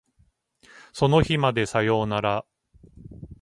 その日までさよなら